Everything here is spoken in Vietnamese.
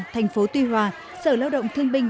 thành phố tuy hòa sở lao động thương binh